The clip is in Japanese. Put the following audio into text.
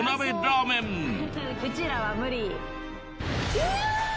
うわ！